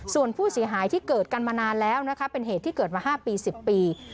ส่วนผู้เสียหายที่เกิดกันมานานแล้วนะคะเป็นเหตุที่เกิดมา๕ปี๑๐ปี